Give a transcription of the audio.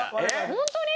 ホントに？